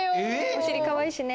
お尻かわいいしね。